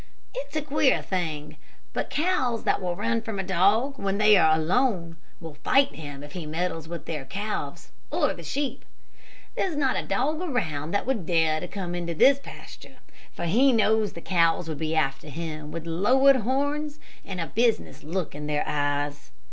It's a queer thing, but cows that will run from a dog when they are alone will fight him if he meddles with their calves or the sheep. There's not a dog around that would dare to come into this pasture, for he knows the cows would be after him with lowered horns, and a business look in their eyes.